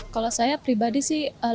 kalau saya pribadi sih